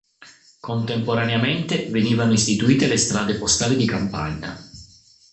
Contemporaneamente venivano istituite le strade postali di campagna.